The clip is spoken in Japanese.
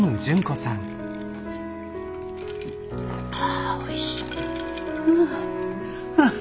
ああおいしいふぅ。